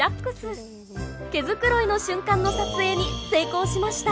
毛づくろいの瞬間の撮影に成功しました。